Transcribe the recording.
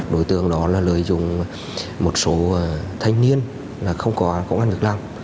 đối tượng đó là lợi dụng một số thanh niên là không có công an việt nam